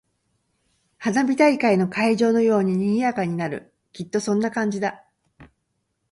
花火大会の会場のように賑やかになる。きっとそんな感じだ。